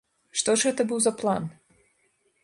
Што ж гэта быў за план?